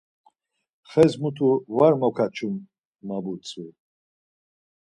Xes mutu var mokaçun, ma butzvi.